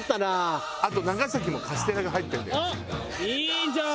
いいじゃん！